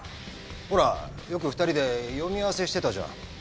ほらよく２人で読み合わせしてたじゃん。